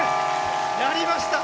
やりました。